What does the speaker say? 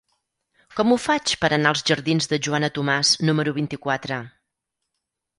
Com ho faig per anar als jardins de Joana Tomàs número vint-i-quatre?